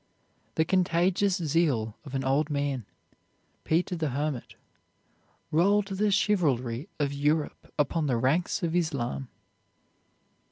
The contagious zeal of an old man, Peter the Hermit, rolled the chivalry of Europe upon the ranks of Islam.